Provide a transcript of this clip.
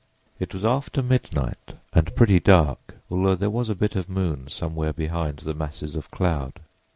It was after midnight and pretty dark, although there was a bit of moon somewhere behind the masses of cloud.